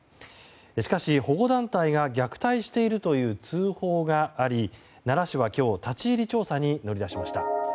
しかし保護団体が虐待しているという通報があり奈良市は今日立ち入り調査に乗り出しました。